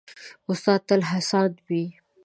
استاد تل هڅاند وي.